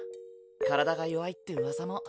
体が弱いってうわさも。